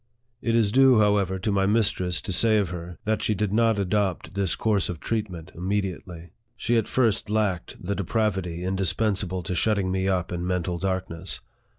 It is due, however, to my mistress to say of her, that she did not adopt this course of treatment immediately. She at first lacked the depravity indispensable to shut ting me up in mental darkness.